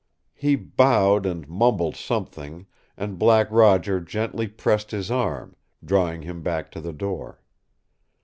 He bowed and mumbled something, and Black Roger gently pressed his arm, drawing him back to the door.